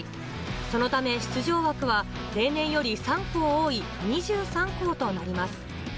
そのため出場枠は例年より３校多い２３校となります。